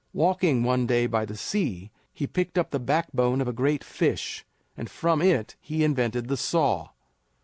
Walking one day by the sea, he picked up the backbone of a great fish, and from it he invented the saw.